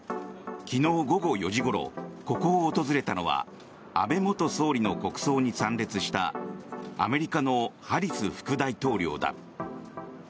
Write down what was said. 昨日午後４時ごろここを訪れたのは安倍元総理の国葬に参列したアメリカのハリス副大統領だ。